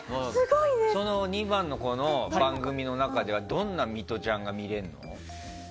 ２番の子の番組の中ではどんなミトちゃんが見れるの？